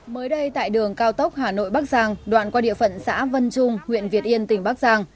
mới đây tại đường cao tốc hà nội bắc giang đoạn qua địa phận xã vân trung huyện việt yên tỉnh bắc giang